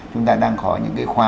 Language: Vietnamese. chúng ta đang có những cái khoa